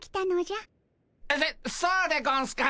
そそうでゴンスか。